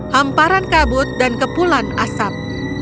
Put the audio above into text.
hamparan kabut dan kepulan asap